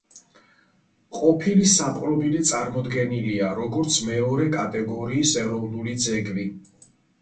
ყოფილი საპყრობილე წარმოდგენილია, როგორც მეორე კატეგორიის ეროვნული ძეგლი.